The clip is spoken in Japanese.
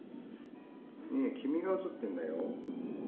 ねえ、君が映ってるんだよ。